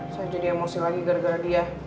saya jadi emosi lagi gara gara dia